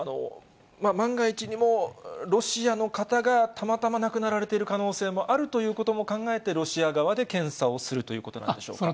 万が一にも、ロシアの方がたまたま亡くなられている可能性もあるということも考えて、ロシア側で検査をするということなんでしょうか。